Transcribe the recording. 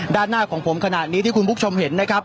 ด้านหน้าของผมขณะนี้ที่คุณผู้ชมเห็นนะครับ